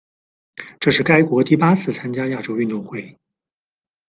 这是该国第八次参加亚洲运动会。